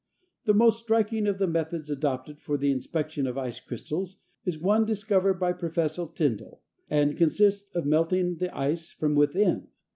The most striking of the methods adopted for the inspection of ice crystals is one discovered by Professor Tyndall, and consists of melting the ice from within.